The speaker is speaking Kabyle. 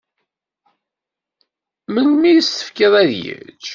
Melmi i s-tefkiḍ ad yečč?